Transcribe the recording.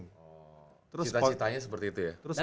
cita citanya seperti itu ya